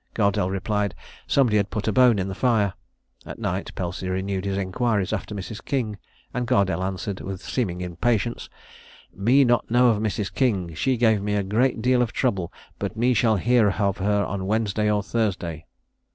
Gardelle replied, somebody had put a bone in the fire. At night Pelsey renewed his inquiries after Mrs. King, and Gardelle answered, with a seeming impatience, "Me know not of Mrs. King; she give me a great deal of trouble, but me shall hear of her on Wednesday or Thursday."